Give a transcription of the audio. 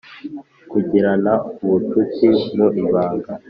Kugirana ubucuti mu ibanga